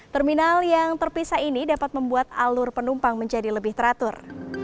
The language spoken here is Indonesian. terminal yang terpisah ini dapat membuat alur penumpang menjadi lebih teratur